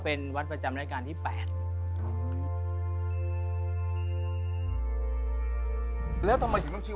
วัดสุทัศน์นี้จริงแล้วอยู่มากี่ปีตั้งแต่สมัยราชการไหนหรือยังไงครับ